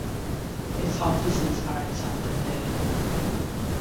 Its offices are in Santander.